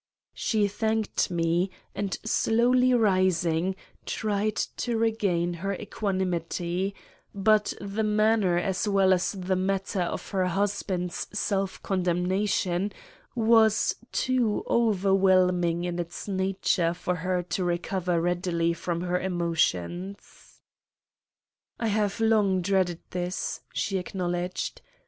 She thanked me, and, slowly rising, tried to regain her equanimity; but the manner as well as the matter of her husband's self condemnation was too overwhelming in its nature for her to recover readily from her emotions. "I have long dreaded this," she acknowledged.